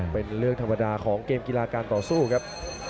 เป็นเรื่องธรรมดาของเกมกีฬาการต่อสู้ครับ